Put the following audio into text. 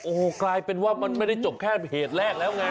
โอ้โหกลายเป็นว่ามันไม่ได้จบแค่เหตุแรกแล้วไง